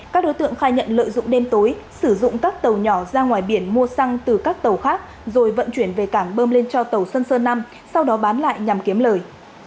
các đối tượng khai nhận lợi dụng đêm tối sử dụng các tàu nhỏ ra ngoài biển mua xăng từ các tàu khác rồi vận chuyển về cảng bơm lên cho tàu xuân sơn năm sau đó bán lại nhằm kiếm lời